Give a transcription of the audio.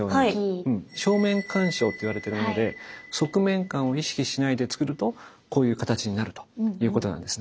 「正面鑑賞」といわれてるもので側面感を意識しないでつくるとこういう形になるということなんですね。